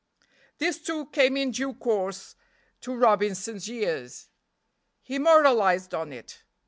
This, too, came in due course to Robinson's ears. He moralized on it.